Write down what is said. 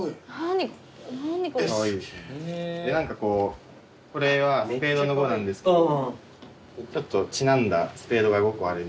これはスペードの５なんですけどちょっとちなんだスペードが５個ある。